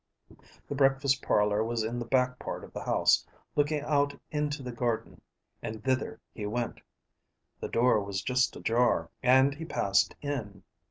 The breakfast parlour was in the back part of the house, looking out into the garden, and thither he went. The door was just ajar and he passed in.